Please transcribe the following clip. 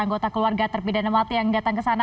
anggota keluarga terpidana mati yang datang ke sana